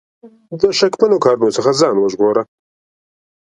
د شکمنو کارونو څخه ځان وژغوره.